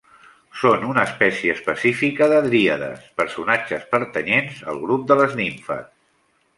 Són una espècie específica de dríades, personatges pertanyents al grup de les nimfes.